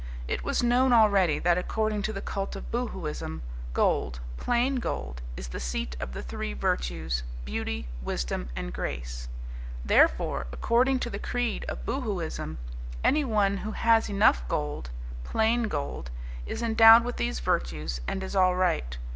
It was known already that, according to the cult of Boohooism, gold, plain gold, is the seat of the three virtues beauty, wisdom and grace. Therefore, according to the creed of Boohooism, anyone who has enough gold, plain gold, is endowed with these virtues and is all right.